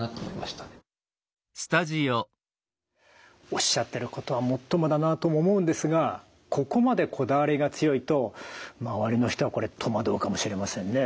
おっしゃってることはもっともだなとも思うんですがここまでこだわりが強いと周りの人はこれ戸惑うかもしれませんね。